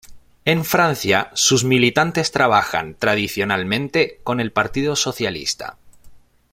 En Francia, sus militantes trabajan, tradicionalmente, con el Partido Socialista.